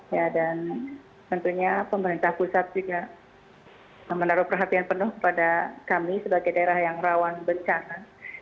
ya dan tentunya pemerintah pusat juga menaruh perhatian penuh kepada kami sebagai daerah yang rawan bencana